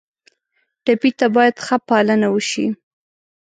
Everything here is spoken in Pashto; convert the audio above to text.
ټپي ته باید ښه پالنه وشي.